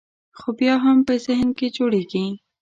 خو بیا هم په ذهن کې جوړېږي.